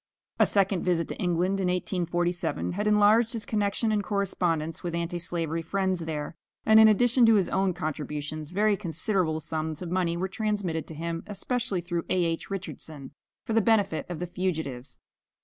A second visit to England, in 1847, had enlarged his connection and correspondence with anti slavery friends there, and in addition to his own contributions, very considerable sums of money were transmitted to him, especially through A.H. Richardson, for the benefit of the fugitives.